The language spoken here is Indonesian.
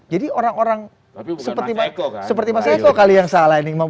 jadi orang orang seperti mas eko kali yang salah ini